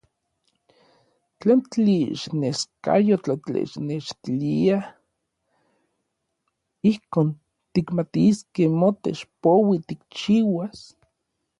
¿tlen tlixneskayotl technextilia ijkon tikmatiskej motech poui tikchiuas?